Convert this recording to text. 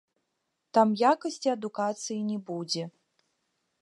Там якасці адукацыі не будзе.